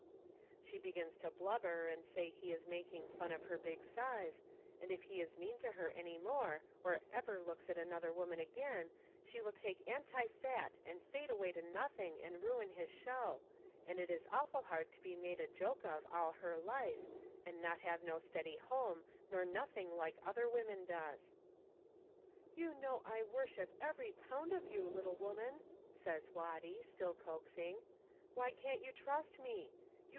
She begins to blubber and say he is making fun of her big size, and if he is mean to her any more or ever looks at another woman agin she will take anti fat and fade away to nothing and ruin his show, and it is awful hard to be made a joke of all her life and not have no steady home nor nothing like other women does. "You know I worship every pound of you, little woman," says Watty, still coaxing. "Why can't you trust me?